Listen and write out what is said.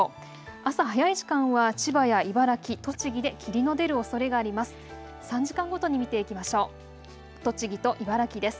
朝早い時間は千葉や茨城、栃木で霧の出るおそれがあります。